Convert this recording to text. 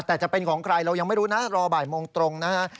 แต่จะเป็นของใครเรายังไม่รู้นะรอบ่ายโมงตรงนะฮะ